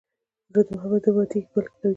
زړه د محبت نه ماتیږي، بلکې قوي کېږي.